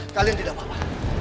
kalian tidak apa apa